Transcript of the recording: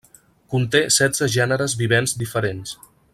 Conté setze gèneres vivents diferents.